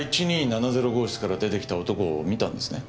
号室から出てきた男を見たんですね？